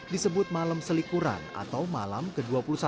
disebut malam selikuran atau malam ke dua puluh satu